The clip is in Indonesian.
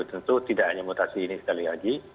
tentu tidak hanya mutasi ini sekali lagi